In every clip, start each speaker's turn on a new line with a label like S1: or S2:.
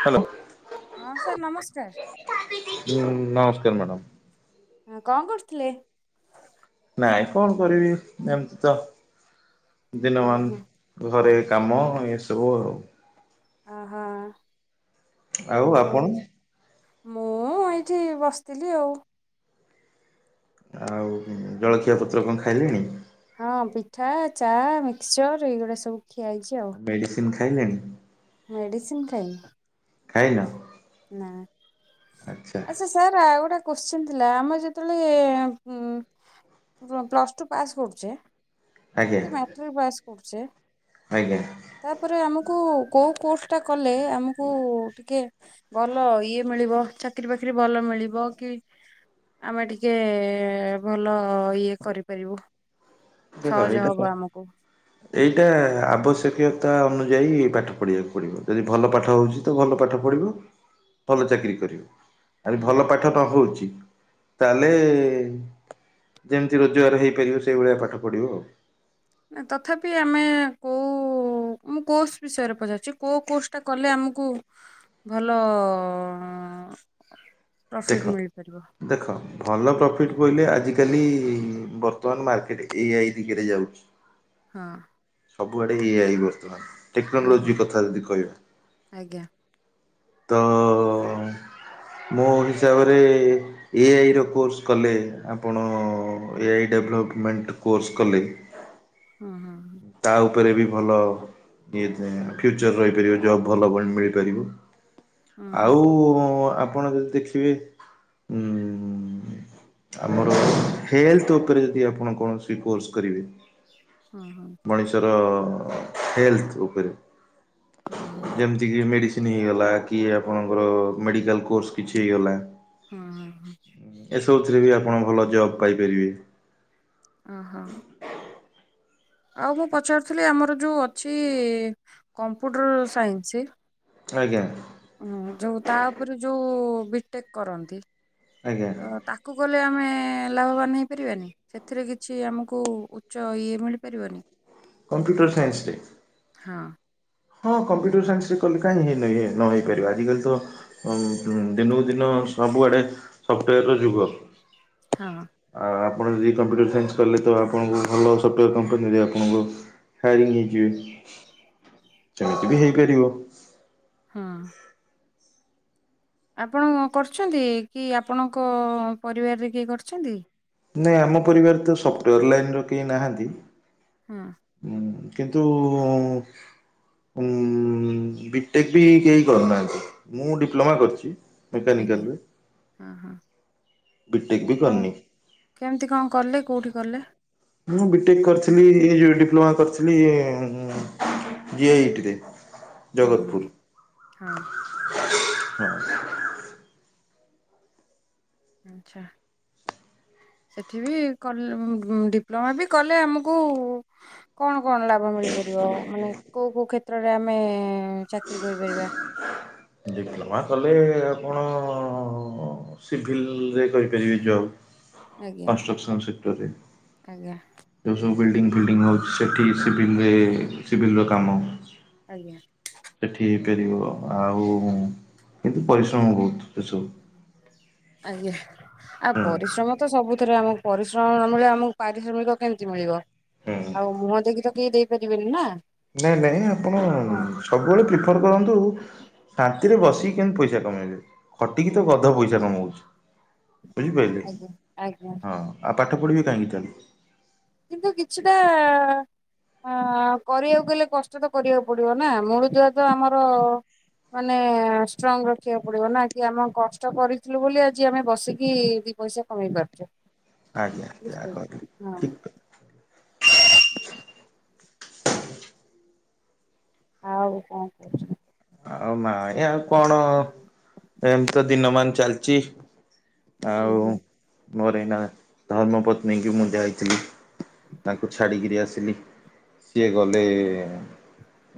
S1: Hello.
S2: ହଁ sir ନମସ୍କାର।
S1: ହୁଁ ନମସ୍କାର ମ୍ୟାଡ଼ାମ୍।
S2: ହ କଣ କରୁଥିଲେ?
S1: ନାଇଁ କଣ କରିବି ଏମିତି ତ
S2: ଓହୋ
S1: ଦିନମାନ ଘରେ କାମ ଏ ସବୁ ଆଉ
S2: ଅହ।
S1: ଆଉ ଆପଣ?
S2: ମୁଁ ଏଇଠି ବସିଥିଲି ଆଉ
S1: ଆଉ ଜଳଖିଆ ପତ୍ର କଣ ଖାଇଲେଣି?
S2: ହଁ ପିଠା ଚା ମିକ୍ସଚର୍ ଏଇଗୁଡା ସବୁ ଖିଆ ହେଇଛି ଆଉ
S1: ମେଡିସିନ ଖାଇଲେଣି?
S2: ମେଡିସିନ
S1: ଖାଇନ
S2: ଖାଇନି ନା
S1: ଆଚ୍ଛା
S2: ଆଛା। ସାର୍ ଆଉ ଗୋଟେ କୋଶ୍ଚିନ୍ ଥିଲା ଆମ ଯେତେବେଳେ ଉ ପ୍ଲସ୍ ଟୁ ପାସ୍ କରୁଛେ
S1: ଆଜ୍ଞା
S2: କି ମାଟ୍ରିକ ପାସ୍ କରୁଛେ
S1: ଆଜ୍ଞା।
S2: ତାପରେ ଆମକୁ କେଉଁ କୋର୍ସଟା କଲେ ଆମକୁ ଟିକେ ଭଲ ଇଏ ମିଳିବ ଚାକିରି ବାକିରି ଭଲ ମିଳିବ କି? ଆମେ ଟିକେ ଭଲ ଇଏ କରିପାରିବୁ।
S1: ଦେଖ
S2: ସହଜ
S1: ଏଇଟା
S2: ହବ
S1: ସୁ
S2: ଆମକୁ।
S1: ଏଇଟା ଆବଶ୍ୟକୀୟତା ଅନୁଯାୟୀ ପାଠ ପଢ଼ିବାକୁ ପଡ଼ିବ ଯଦି ଭଲ ପାଠ ହଉଚି ତ ଭଲ ପାଠ ପଢ଼ିବ। ଭଲ ଚାକିରି କରିବ। ଆରି ଭଲ
S2: ହୁଁ
S1: ପା ତ ନହୋଉଚି ତାହେଲେ ଯେମିତି ରୋଜଗାର ହେଇପାରିବ ସେଇଭଳିଆ ପାଠ ପଢ଼ିବ ଆଉ।
S2: ନାଁ ତଥାପି ଆମେ କୋଉ ମୁଁ କୋର୍ସ ବିଷୟରେ ପଚାରୁଚି। କୁଅ କୋର୍ସ ଟା କଲେ ଆମୁକୁ ଭଲ ଅଁ ପ୍ରଫିଟ୍
S1: ଦେଖ
S2: ମିଳିପାରିବ।
S1: ଦେଖ ଭଲ ପ୍ରଫିଟ୍ ବୋଇଲେ ଆଜିକାଲି ବର୍ତ୍ତମାନ ମାର୍କେଟ୍ ଏ ଆଇ ଦିଗରେ ଯାଉଚି।
S2: ହଁ।
S1: ସବୁ ଆଡ଼େ ଏ ଆଇ ବର୍ତମାନ।
S2: ଆଜ୍ଞା
S1: ଟେକ୍ନୋଲୋଜି କଥା ଯଦି କହିବା।
S2: ଆଜ୍ଞା।
S1: ତ ମୋ ହିସାବରେ ଏ ଆଇ ର କୋର୍ସ୍ କଲେ ଆପଣ ଏ ଆଇ ଡେଭଲପମେଣ୍ଟ୍ କୋର୍ସ୍ କଲେ
S2: ଅଁ ହଁ।
S1: ତା ଉପରେ ବି ଭଲ ଇଏ ଫ୍ୟୁଚର୍ ରହିପାରିବ। ଜବ୍ ଭଲ ବ ମିଳିପାରିବ।
S2: ହୁଁ ହୁଁ
S1: ଆଉ ଆପଣ ଯଦି ଦେଖିବେ ଉଁ ଆମର ହେଲ୍ଥ ଓପରେ ଯଦି ଆପଣ କୌଣସି କୋର୍ସ କରିବେ
S2: ହଁ ହଁ।
S1: ମଣିଷର ହେଲ୍ଥ ଉପରେ
S2: ହୁଁ ହୁଁ ହୁଁ।
S1: ଯେମତି ତି କି ମେଡ଼ିସିନ୍ ହେଇଗଲା କି ଆପଣଙ୍କର ମେଡ଼ିକାଲ୍ କୋର୍ସ କିଛି ହେଇଗଲା।
S2: ହଁ ହଁ।
S1: ଏସବୁଥିରେ ବି ଆପଣ ଭଲ ଜବ୍ ପାଇପାରିବେ।
S2: ଅହ। ଆଉ ମୁଁ ପଚାରୁଥୁଲି ଆମର ଯୋଉ ଅଛି କମ୍ପୁଟର୍ ସାଇନ୍ସି
S1: ଆଜ୍ଞା।
S2: ହଁ ଯୋଉ ତା ଓପରେ ଯୋଉ ବିଟେକ୍ କରନ୍ତି।
S1: ଆଜ୍ଞା।
S2: ତ ତାକୁ କଲେ ଆମେ ଲାଭବାନ୍ ହେଇ ପାରିବାନି? ସେଥିରେ କିଛି ଆମୁକୁ ଉଚ୍ଚ ଇଏ ମିଳିପାରିବନି?
S1: କମ୍ପ୍ୟୁଟର୍ ସାଇନ୍ସରେ?
S2: ହଁ।
S1: ହଁ କମ୍ପ୍ୟୁଟର ସାଇନ୍ସରେ କଲେ କାଇଁ ହେଇ ନାଇଁ ନହେଇ ପାରିବ ଆଜିକାଲି ତ ଅଁ ଦିନୁକୁ ଦିନ ସବୁଆଡ଼େ ସଫ୍ଟୋୟାର୍ ର ଯୁଗ।
S2: ହଁ।
S1: ଆ ଆପଣ ଯଦି କମ୍ପ୍ୟୁଟର ସାଇନ୍ସ କଲେ ତ ଆପଣୁଙ୍କୁ ଭଲ ସଫ୍ଟୋୟାର୍ କମ୍ପାନୀରେ ଆପଣଙ୍କ ହାୟାରିଂ ହେଇଯିବେ ସେମିତି ବି ହେଇପାରିବ।
S2: ହଁ। ଆପଣ କରୁଛନ୍ତି କି ଆପଣଙ୍କ ପରିବାରରେ କିଏ କରିଛନ୍ତି?
S1: ନାହିଁ ଆମ ପରିବାର ତ ସଫ୍ଟୋୟର୍ ଲାଇନ୍ ର କେହି ନାହାନ୍ତି।
S2: ହଁ।
S1: ଉଁ କିନ୍ତୁ ଉଁ ବିଟେକ୍ ବି କେହି କରୁନାହାନ୍ତି ମୁଁ ଡିପ୍ଲୋମା କରିଚି।
S2: ଆଜ୍ଞା
S1: ମେକାନିକାଲ୍ ରେ।
S2: ହଁ ହଁ
S1: ବିଟେକ୍ ବି
S2: ଆପଣ
S1: କରିନି।
S2: କେମିତି କଁ କଲେ କୋଉଠି କଲେ।
S1: ମୁଁ ବିଟେକ୍ କରିଥିଲି ଏ ଯୋଉ ଡିପ୍ଲୋମା କରିଥିଲି ଇ ଉଁ। ଯି ଆଇ ଇଟି ‌ରେ
S2: ହୁଁ ହୁଁ
S1: ଜଗତପୁର
S2: ହଁ
S1: ହୁଁ।
S2: ଆଚ୍ଛା। ସେଠି ବି କଲେ ଉଁ ଡିପ୍ଲୋମା ବି କଲେ ଆମକୁ। କଣ, କଣ, ଲାଭ ମିଳିପାରିବ। ମାନେ କୋଉ କୋଉ କ୍ଷେତ୍ରରେ ଆମେ ଚାକିର କରିପାରିବା?
S1: ଡିପ୍ଲୋମା କଲେ ଆପଣ ସିଭିଲ ରେ ପାଇବେ। ସିଭିଲ ଯବ
S2: ଆଜ୍ଞା
S1: କଷ୍ଟ୍ରକ୍ସନ୍ ସେକ୍ଟରରେ।
S2: ଆଜ୍ଞା।
S1: ଯୋଉ ସବୁ ବିଲ୍ଡିଙ୍ଗ ଫିଲ୍ଡିଂ ହଉଛି ସେଠି ସିଭିଲରେ ସିଭିଲର କାମ।
S2: ଆଜ୍ଞା।
S1: ସେଠି ହେଇପାରିବ ଆଉ। ହଁ କିନ୍ତୁ ପରିଶ୍ରମ ବହୁତ ସେ ସବୁ।
S2: ଆଜ୍ଞା ଆଉ
S1: ହୁଁ।
S2: ପରିଶ୍ରମ। ତ ସବୁଥିରେ ଆମକୁ ପରିଶ୍ରମ ନ ମିଳିଲେ ଆମକୁ ପାରିଶ୍ରମିକ କେମିତି ମିଳିବ?
S1: ହୁଁ
S2: ଆଉ ମୁହଁ ଦେଖି ତ କେହି ଦେଇପାରିବେନି ନା।
S1: ନାଇଁ ନାଇଁ ଆପଣ
S2: ହଁ।
S1: ସବୁବେଳେ ପ୍ରିଫର କରନ୍ତୁ। ଶାନ୍ତିରେ ବସିକି କେମିତି ପଇସା କମେଇବେ ଖଟିକି ତ ଗଧ ପଇସା କମଉଛି‌। ବୁଝିପାଇଲେ,
S2: ଆଜ୍ଞା ଆଜ୍ଞା
S1: ହଁ ଆଉ ପାଠ ପଢ଼ିବେ କାହିଁକି ତାହେଲେ।
S2: କିନ୍ତୁ କିଛିଟା। ହଁ କରିବାକୁ ଗଲେ କଷ୍ଟ ତ କରିବାକୁ ପଡିବ ନା ମୁଳୁ ଦୁଆ ତ ଆମର। ମାନେ ଷ୍ଟ୍ରଙ୍ଗ ରଖିବାକୁ ପଡିବ ନା କି ଆମେ କଷ୍ଟ କରିଥିଲୁ, ବୋଲି ଆଜି ଆମେ ବସିକି ଦି ପଇସା। କମେଇ ପାରୁଛେ
S1: ଆଜ୍ଞା ଯାହା
S2: ବଝିପାଇଲେ
S1: କହିଲେ
S2: ହଁ।
S1: ଠିକ୍ କଥା।
S2: ଆଉ କଁ କହୁଛ।
S1: ଆଉ ନାଇଁ ଆଉ କଣ ଏମିତି ତ ଦିନ ମାନ ଚାଲିଛି।
S2: ହୁଁ
S1: ଆଉ
S2: ହୁଁ
S1: ମୋର ଏଇନା ଧର୍ମ ପତ୍ନୀଙ୍କି ମୁଁ ଯାଇଥିଲି। ତାଙ୍କୁ ଛାଡିକିରି ଆସିଲି ସିଏ ଗଲେ।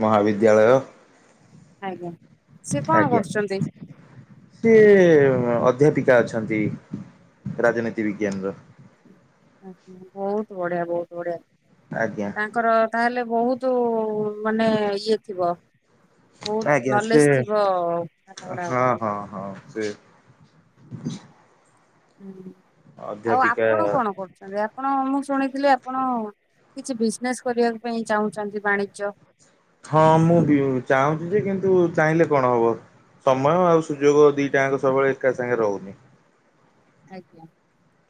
S1: ମହାବିଦ୍ୟାଳୟ।
S2: ଆଜ୍ଞା ସିଏ କଣ
S1: ଆଜ୍ଞା।
S2: କରୁଛନ୍ତି।
S1: ସିଏ ଅଧ୍ୟାପିକା ଅଛନ୍ତି, ରାଜନୀତି ବିଜ୍ଞାନର।
S2: ଆଛା ବହୁତ ବଢିଆ ବହୁତ ବଢିଆ।
S1: ଆଜ୍ଞା।
S2: ତାଙ୍କର ତାହେଲେ ବହୁତୁ। ମାନେ ଇଏ ଥିବ, ବହୁତ
S1: ଆଜ୍ଞା ସେ
S2: ନଲେଜ ଥିବ ପାଠ ପଢା
S1: ହଁ
S2: ଉପରେ।
S1: ହଁ ହଁ। ସେ।
S2: ହୁଁ ଆଉ
S1: ଅଧ୍ୟାପିକା
S2: ଆପଣ କଣ କରୁୁ ଛନ୍ତି ଆପଣ ମୁଁ ଶୁଣିଥିଲି ଆପଣ କିଛି ବିଜନେସ କରିବାକୁ ପାଇଁ ଚାହୁଁଛନ୍ତି ବାଣିଜ୍ୟ।
S1: ହଁ ମୁଁ ବି ଚାହୁଁଛି ଯେ କିନ୍ତୁ ଚାହିଁଲେ କଣ ହବ। ସମୟ ଆଉ ସୁଯୋଗ ଦିଟା ଆଙ୍କ ସବୁବେଳେ ଏକା ସାଙ୍ଗେ ରହୁନି।
S2: ଆଜ୍ଞା।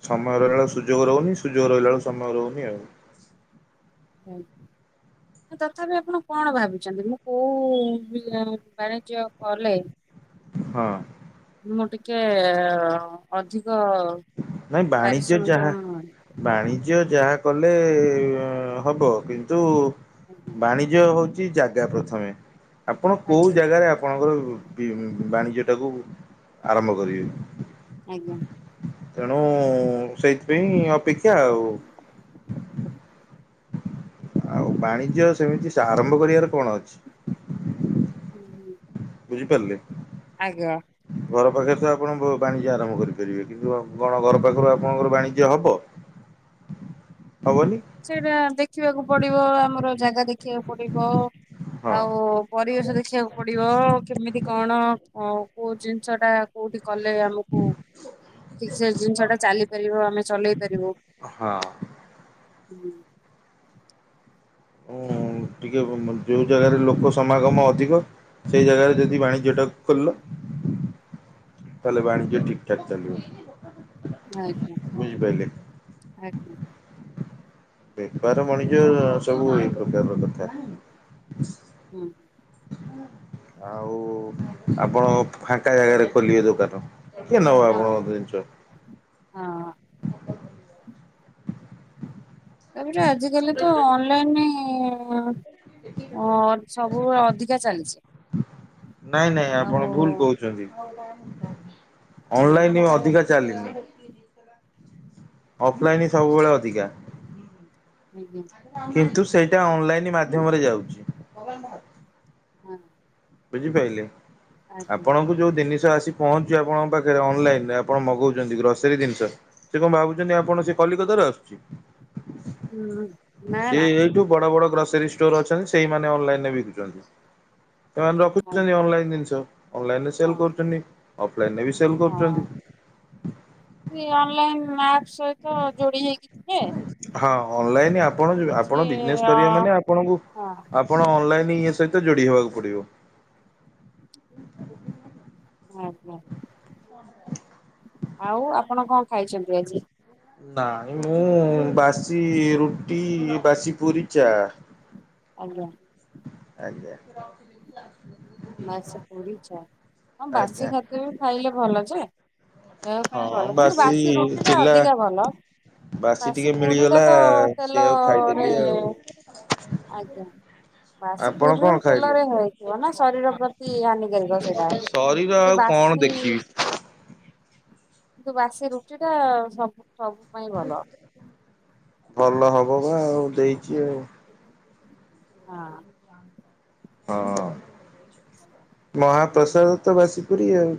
S1: ସମୟ ରହିଲା ବେଳୁକୁ ସୁଯୋଗ ରହୁନି ସୁଯୋଗ ରହିଲା ବେଳକୁ ସମୟ ରହୁନି ଆଉ।
S2: [inaudible] ହଁ ତଥାପି ଆପଣ କଣ ଭାବିଛନ୍ତି ମୁଁ କୋଉ ବି ବାଣିଜ୍ୟ କଲେ।
S1: ହଁ।
S2: ମୁଁ ଟିକେ ଅଧିକ
S1: ନାଇଁ ବାଣିଜ୍ୟ
S2: ପାରିଶ୍ରମିକ
S1: ଯାହା।
S2: ମୁଁ
S1: ବାଣିଜ୍ୟ ଯାହା କଲେ ହବ କିନ୍ତୁ
S2: ଆଜ୍ଞା
S1: ବାଣି ଜ୍ୟ ହଉଛି ଜାଗା ପ୍ରଥମେ ଆପଣ କୋଉ
S2: ଆଜ୍ଞା
S1: ଜାଗାରେ ଆ ଆପଣଙ୍କର ଇଏ ବାଣିଜ୍ୟଟାକୁ ଆରମ୍ଭ କରିବେ।
S2: ଆଜ୍ଞା!
S1: ତେଣୁ ସେଇଥିପାଇଁ ଅପେକ୍ଷା ଆଉ। ଆଉ ବାଣିଜ୍ୟ ସେମିତି ସାଆରମ୍ଭ କରିବାର କଣ ଅଛି?
S2: ହୁଁ, ହୁଁ।
S1: ବୁଝିପାରିଲେ।
S2: ଆଜ୍ଞା।
S1: ଘର ପାଖରେ ତ ଆପଣ ବାଣିଜ୍ୟ ଆରମ୍ଭ କରିପାରିବେ କିନ୍ତୁ କଣ ଘର ପାଖରୁ ଆପଣଙ୍କର ବାଣିଜ୍ୟ ହବ?
S2: ହ
S1: ହବନି।
S2: ସେଇଟା ଦେଖିବାକୁ ପଡିବ ଆମର ଜାଗା ଦେଖିବାକୁ ପଡିବ
S1: ହଁ
S2: ଆଉ ପରିବେଶ ଦେଖିବାକୁ ପଡିବ କେମିତି କଣ କୋଉ ଜିନିଷଟା କୋଉଠି କଲେ ଆମକୁ ଠିକ ସେ ଜିନିଷ ଟା ଚାଲି ପାରିବ ଆମେ ଚଲେଇ ପାରିବୁ।
S1: ହଁ।
S2: ହୁଁ
S1: ହ ଟିକେ ଯେଉଁ ଜାଗାରେ ଲୋକ ସମାଗମ ଅଧିକ ସେଇ ଜାଗାରେ ଯଦି ବାଣିଜ୍ୟ ଟା କୁ ଖୋଲିଲ। ତାହେଲେ ବାଣିଜ୍ୟ ଠିକ ଠାକ ଚାଲିବ।
S2: ଆଜ୍ଞା
S1: ବୁଝିପାରିଲେ
S2: ଆଜ୍ଞା।
S1: ବେପାର ମଣିଜ୍ୟ ସବୁ ଏଇ ପ୍ରକାରର କଥା।
S2: ହୁଁ।
S1: ଆଉ ଆପଣ ଫାଙ୍କା ଜାଗାରେ ଖୋଲିବେ ଦୋକାନ। କିଏ ନେବା
S2: ହଁ
S1: ଆପଣଙ୍କ ଜିନିଷ।
S2: ହଁ। ଏପଟ ଆଜିିକାଲି ତ ଅନଲାଇନି ହ ସବୁବେଳେ ଅଧିକା ଚାଲିଛି ଆଉ
S1: ଚାଲଚି
S2: ହୁଁ
S1: ଅନଲାଇନ ଅଧିକା ଚାଲିଚି। ଅଫଲାଇନ୍ ହିଁ ସବୁବେଳେ ଅଧିକା।
S2: ଆଜ୍ଞା
S1: କିନ୍ତୁ ସେଇଟା ଅନଲାଇନ ମାଧ୍ୟମରେ ଯାଉଛି। ହବ ବା।
S2: ହଁ।
S1: ବୁଝିପାରିଲେ
S2: ଆଜ୍ଞା
S1: ଆପଣଙ୍କୁ ଯୋଉ ଜିନିଷ ଆସି ପହଞ୍ଚୁ ଆପଣଙ୍କ ପାଖରେ ଅନଲାଇନ। ଆପଣ ମଗଉଛନ୍ତି ଗ୍ରସେରୀ ଜିନିଷ ସେ କଣ ଭାବୁଛନ୍ତି ଆପଣ ସେ କଲିକତାରୁ ଆସୁଛି।
S2: ହୁଁ। ନା
S1: ସେ
S2: ନା
S1: ଏଇଠୁ ବଡ ବଡ ଗ୍ରୋସରୀ ଷ୍ଟୋର ଅଛନ୍ତି ସେଇମାନେ ଅନଲାଇନରେ ବିକୁଛନ୍ତି। ଏମାନେ
S2: ହଁ
S1: ରଖୁଛନ୍ତି ଅନଲାଇନ ଜିନିଷ। ଅନଲାଇନ ରେ ସେଲ୍
S2: ହଁ
S1: କରୁଛନ୍ତି ଅଫଲାଇନ ରେ ବି ସେଲ୍ କରୁଛନ୍ତି।
S2: କି ଅନ୍ଲାଇନ୍ ମା
S1: ହଁ ଅନଲାଇନ ଆପଣ
S2: କିଛି
S1: ଆପଣ ବିଜନେସ୍
S2: ଅ
S1: କରିବା ମାନେ ଆପଣଙ୍କୁ
S2: ହଁ
S1: ଆପଣ ଅନଲାଇନଁ ଇଏ ସହିତ ଯୋଡି ହେବାକୁ ପଡିବ।
S2: ଆ ହ।
S1: [inaudible]
S2: ଆଉ ଆପଣ କଣ ଖାଇଛନ୍ତି ଆଜି?
S1: ନାଇଁ ମୁଁ ବାସି ରୁଟି ବାସି ପୁରି ଚା।
S2: ଆଜ୍ଞା।
S1: ଆଜ୍ଞା।
S2: ବାସି ପୁରି ଚା ହଁ ବାସି
S1: ଆଜ୍ଞା
S2: ଖାଦ୍ୟ ବି ଖାଇଲେ ଭଲ ଯେ ଦେହ ପାଇଁ ଭଲ କିନ୍ତୁ ବାସି ରୁଟି ଟା
S1: ଥିଲା
S2: ଅଧିକା ଭଲ। ବାସି
S1: ଟିକେ
S2: ପୁରୀ ଟା
S1: ମିଳିଗଲା
S2: ତ
S1: ସେ ଆଉ
S2: ତେଲରେ
S1: ଖାଇଦେଲି ଆଉ
S2: ଆଜ୍ଞା ବାସି
S1: ଆପଣ କଣ
S2: ପୁରୀରୁ
S1: ଖାଇଲେ?
S2: ତେଲରେ ହେଇଥିବ ନା। ଶରୀର ପ୍ରତି ହାନିିକାରକ ସେଇଟା
S1: ଶରୀର
S2: କିନ୍ତୁ
S1: ଆଉ କଣ
S2: ବାସି
S1: ଦେଖିବି
S2: କିନ୍ତୁ ବାସି ରୁଟି ଟା ସବୁ ସବୁ ପାଇଁ ଭଲ।
S1: ଭଲ ହବ ବା ଆଉ ଦେଇଛି ଆଉ।
S2: ହଁ।
S1: ହଁ ମହାପ୍ରସାଦ ତ ବାସି ପୁରୀ ଆଉ।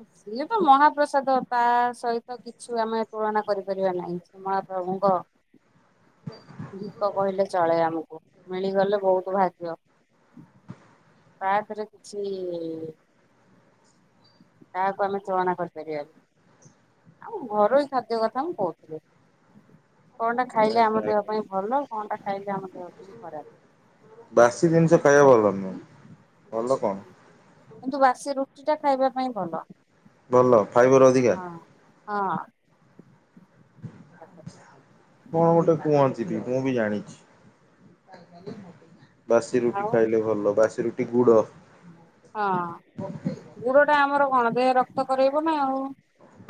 S2: ହ। ସିଏ ତ ମହାପ୍ରସାଦ ତା ସହିତ କିଛି ଆମେ ତୁଳନା କରିପାରିବା ନାହିଁ। ମହାପ୍ରଭୁଙ୍କର। ଦୀପ କହିଲେ ଚଳେ ଆମକୁ ମିଳିଗଲେ ବହୁତ ଭାଗ୍ୟ। ତାପରେ କିଛି ତାହାକୁ ଆମେ ତୁଳନା କରିପାରିବାନି। ଆମ ଘରୋଇ ଖାଦ୍ୟ କଥା ମୁଁ କହୁଥିଲି। କଣଟା ଖାଇଲେ ଆମ ଦେହ ପାଇଁ ଭଲ କଣଟା ଖାଇଲେ ଆମ ଦେହ ପାଇଁ ଖରାପ?
S1: ବାସି ଜିନିଷ ଖାଇବା ଭଲ ନୁହ ଭଲ କଣ?
S2: କିନ୍ତୁ ବାସି ରୁଟି ଟା ଖାଇବା ପାଇଁ ଭଲ।
S1: ଭଲ ଫାଇବର୍ ଅଧିକା?
S2: ହଁ। ହଁ।
S1: କଣ ଗୋଟେ କୁହନ୍ତି ବି ମୁଁ ବି ଜାଣିଛି।
S2: [inaudible]
S1: ବାସି ରୁଟି
S2: ଆଉ
S1: ଖାଇଲେ ଭଲ ବାସି ରୁଟି ଗୁଡ଼।
S2: ହଁ, ଗୁଡ଼ ଟା ଆମର କଣ ଦେହରେ ରକ୍ତ କରେଇବ ନା ଆଉ।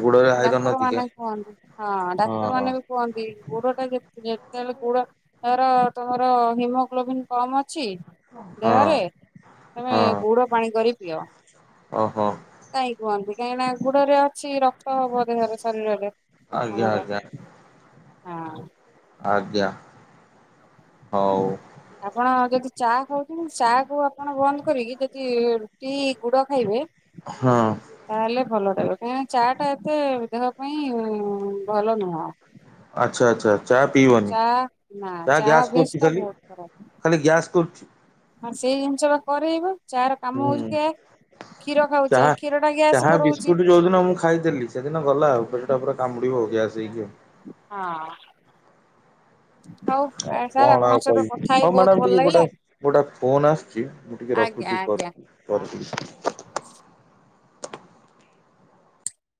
S1: ଗୁଡରେ ଆଇରନ୍
S2: ଡାକ୍ତର
S1: ଅଧିକା
S2: ମାନେ କୁହନ୍ତି ହଁ ଡାକ୍ତର ମାନେ ବି କୁହନ୍ତି ଗୁଡ଼ଟା ଯେ ଯେତଳେ ଗୁଡ଼ ତୋର ତମର ହିମୋଗ୍ଲୋବନ୍ କମ ଅଛି
S1: ହଁ
S2: ଦେହରେ ତମେ
S1: ହଁ
S2: ଉୁଡ଼ ପାଣି କରି ପିଅ।
S1: ଓହୋ
S2: କାହିଁ କୁହନ୍ତି କାହିଁକିନା ଗୁଡ଼ାରେ ଅଛି ରକ୍ତ ହବ ଦେହରେ ଶରୀରରେ।
S1: ଆଜ୍ଞା
S2: ଆମର
S1: ଆଜ୍ଞା
S2: ହଁ।
S1: ଆଜ୍ଞା, ହଉ।
S2: ଆପଣ ଯଦି ଚା ଖାଉଛନ୍ତି ଚା କୁ ଆପଣ ବନ୍ଦ କରିକି ଯଦି କି ଗୁଡ଼ ଖାଇବେ
S1: ହଁ।
S2: ତାହେଲେ ଭଲ ରହିବ କାହିଁକିନା ଚା ଟା ଏତେ ଦେହ ପାଇଁ ଭଲ ନୁହଁ।
S1: ଆଚ୍ଛା ଆଚ୍ଛା ଚା ପିଇବନି
S2: ଚା ନା
S1: ଚା
S2: ଚାହା
S1: ଗ୍ୟାସ୍
S2: ଅଭ୍ୟାସ
S1: କରୁଛି
S2: ଟା
S1: ଖାଲି
S2: ବହୁତ ଖରାପ।
S1: ଖାଲି ଗ୍ୟାସ୍ କରୁଛି।
S2: ହଁ ସେଇ ଜିନିଷ ବା କରେଇବ। ଚା ର କାମ ହଉଛି
S1: ହୁଁ
S2: କି କ୍ଷୀର ଖାଉଛେ କ୍ଷୀର ଟା ଗ୍ୟାସ୍ କରୋଉଛି।
S1: ଯୋଉଡ଼ିନ ମୁଁ ଖାଇ ଖାଇଦେଲି ସେଦିନ ଗଲା ଆଉ ପେଟା ପୁରା କାମୁଡ଼ିବ ଗ୍ୟାସ୍ ହେଇକି ଆଉ।
S2: ହଁ। ହଉ ସାର୍
S1: କଣ ଆଉ
S2: ଆପଣଙ୍କ ସହିତ
S1: କହିବି
S2: କଥା ହେଇ
S1: ହଉ
S2: ବହୁତ
S1: ମ୍ୟାଡ଼ାମ
S2: ଭଲ
S1: ଟିକେ
S2: ଲାଗିଲା
S1: ଗୋଟେ ଗୋଟେ ଫୋନ୍ ଆସ ଅଛି ମୁଁ ଟିକେ
S2: ଆଜ୍ଞା
S1: ରଖୁଛି
S2: ଆଜ୍ଞା
S1: ପରେ
S2: ହଁ।
S1: ପରେ କରିବି।